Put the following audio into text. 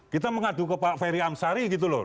kita mengadu ke pak ferry amsari gitu loh